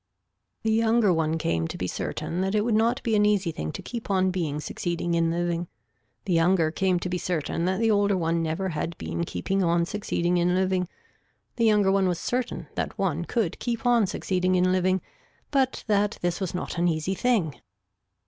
The younger one came to be certain that it would not be an easy thing to keep on being succeeding in living. The younger came to be certain that the older one never had been keeping on succeeding in living. The younger one was certain that one could keep on succeeding in living but that this was not an easy thing.